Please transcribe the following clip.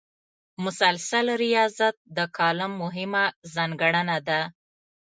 مسلسل ریاضت د کالم مهمه ځانګړنه ده.